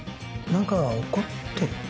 何か怒ってる？